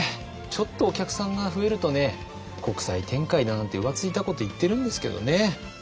ちょっとお客さんが増えるとね国際展開だなんて浮ついたこと言ってるんですけどね。